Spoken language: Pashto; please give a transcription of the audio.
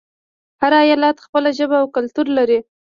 هر ایالت خپله ژبه او کلتور لري.